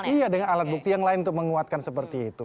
iya dengan alat bukti yang lain untuk menguatkan seperti itu